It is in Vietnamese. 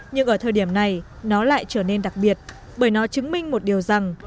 nhưng ở thời điểm này nó lại trở nên đặc biệt bởi nó chứng minh một điều rằng